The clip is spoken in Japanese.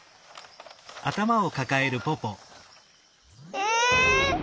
え！